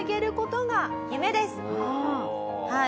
はい。